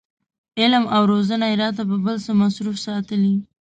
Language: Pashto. علم او روزنه یې راته په بل څه مصروف ساتلي.